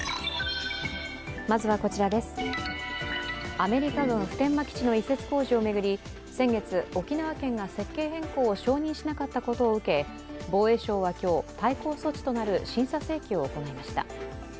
アメリカ軍普天間基地の移設工事を巡り、先月、沖縄県が設計変更を承認しなかったことを受け、防衛省は今日、対抗措置となる審査請求を行いました。